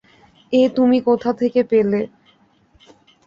এ তুমি কোথা থেকে পেলে।